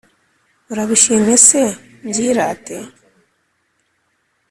urabishimye se mbyirate